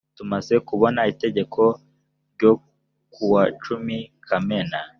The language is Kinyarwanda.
tumaze kubona itegeko n ryo kuwa cumi kamena